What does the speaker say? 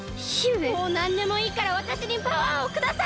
もうなんでもいいからわたしにパワーをください！